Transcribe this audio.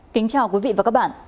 kính chào quý vị và các bạn